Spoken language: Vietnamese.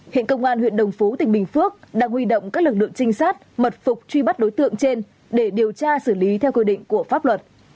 hiện công an huyện đồng phú tỉnh bình phước đang huy động các lực lượng trinh sát mật phục truy bắt đối tượng trên để điều tra xử lý theo quy định của pháp luật